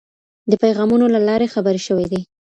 د پیغامونو له لارې خبرې شوي دي.